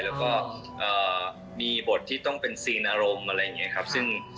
แล้วก็มีบทที่ต้องเป็นเรื่องอารมณ์